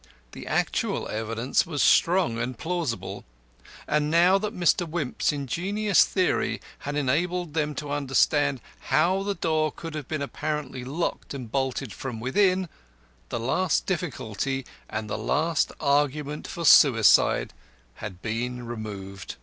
The actual evidence was strong and plausible, and now that Mr. Wimp's ingenious theory had enabled them to understand how the door could have been apparently locked and bolted from within, the last difficulty and the last argument for suicide had been removed.